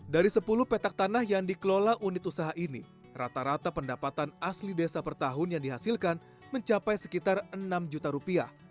dari sepuluh petak tanah yang dikelola unit usaha ini rata rata pendapatan asli desa per tahun yang dihasilkan mencapai sekitar enam juta rupiah